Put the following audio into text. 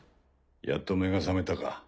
やっと目が覚めたか。